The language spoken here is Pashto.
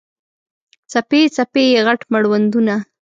څپې، څپې یې، غټ مړوندونه